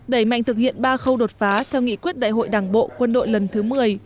đẩy mạnh thực hiện ba khâu đột phá theo nghị quyết đại hội đảng bộ quân đội lần thứ một mươi